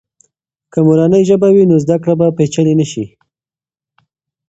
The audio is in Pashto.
که مورنۍ ژبه وي، نو زده کړه به پیچلې نه سي.